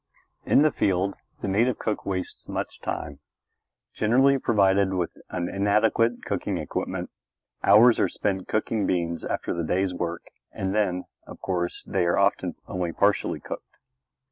In the field the native cook wastes much time. Generally provided with an inadequate cooking equipment, hours are spent cooking beans after the day's work, and then, of course, they are often only partially cooked.